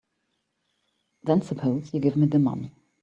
Then suppose you give me the money.